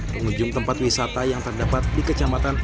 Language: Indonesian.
pengunjung tempat wisata yang terdapat di kecamatan